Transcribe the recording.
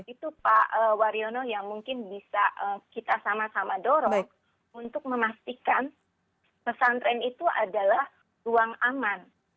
itu pak wariono yang mungkin bisa kita sama sama dorong untuk memastikan pesantren itu adalah ruang aman